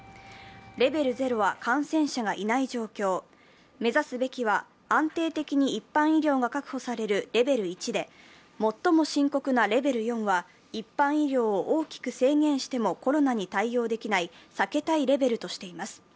レベル０は感染者がいない状況、目指すべきは安定的に一般医療が確保されるレベル１で最も深刻なレベル４は一般医療を大きく制限してもコロナに対応できない、避けたいレベルとしています。